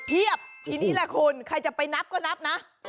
ทีนี้แหละคุณใครจะไปนับก็นับนะ